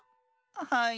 はい。